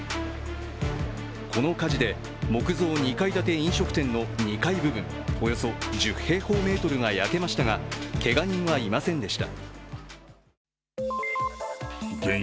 この火事で木造２階建て飲食店の２階部分およそ１０平方メートルが焼けましたがけが人はいませんでした。